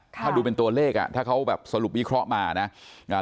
ถ้าดูเป็นตัวเลขอ่ะถ้าเขาแบบสรุปวิเคราะห์มานะอ่า